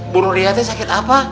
bu bu nuriah teh sakit apa